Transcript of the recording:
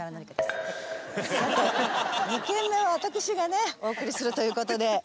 さて２軒目私がねお送りするということで。